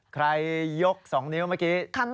ใครยกสองนิ้วเมื่อกี้